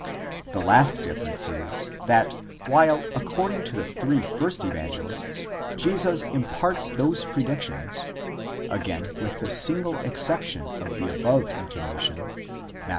The last difference js, that while according to the three first Evangelists, Jesus imparts those pre dictions (again with the single exception of the above intimation, Matt.